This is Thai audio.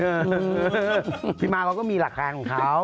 อือปี่มาก็มีหลักทางของเขา